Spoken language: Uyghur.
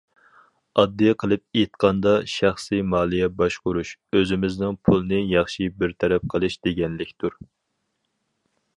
ئاددىي قىلىپ ئېيتقاندا، شەخسىي مالىيە باشقۇرۇش- ئۆزىمىزنىڭ پۇلنى ياخشى بىر تەرەپ قىلىش دېگەنلىكتۇر.